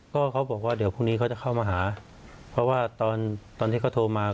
ก็เขาบอกว่าเดี๋ยวพรุ่งนี้เขาจะเข้ามาหาเพราะว่าตอนตอนที่เขาโทรมา